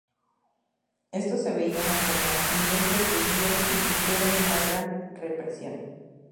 Estos se veían como "inventos judíos" y sufrieron una gran represión.